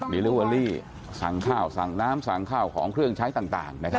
นี่เรียกว่าสั่งข้าวสั่งน้ำของเครื่องใช้ต่างนะครับ